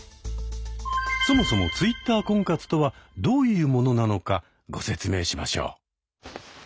そもそもＴｗｉｔｔｅｒ婚活とはどういうものなのかご説明しましょう。